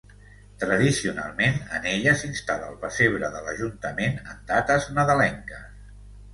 Tradicionalment, en ella s'instal·la el pessebre de l'Ajuntament en dates nadalenques.